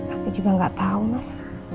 aku juga gak tahu mas